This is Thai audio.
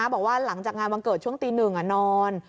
บอกว่าหลังจากงานวันเกิดช่วงตีหนึ่งนอน